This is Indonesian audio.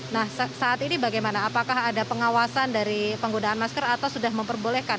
nah saat ini bagaimana apakah ada pengawasan dari penggunaan masker atau sudah memperbolehkan